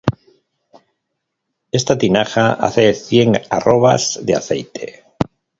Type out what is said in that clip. Esta tinaja hace cien arrobas de aceite.